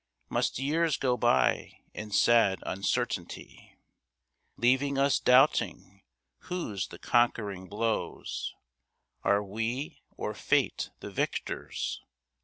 Must years go by in sad uncertainty Leaving us doubting whose the conquering blows, Are we or Fate the victors?